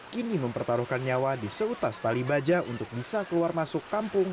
kini mempertaruhkan nyawa di seutas tali baja untuk bisa keluar masuk kampung